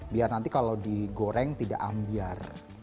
biar nanti kalau digoreng tidak ambiar